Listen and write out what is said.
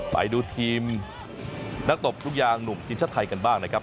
ไปดูทีมนักตบลูกยางหนุ่มทีมชาติไทยกันบ้างนะครับ